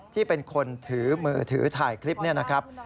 ที่เป็นคนถือมือถือถ่ายคลิปนี้นะครับ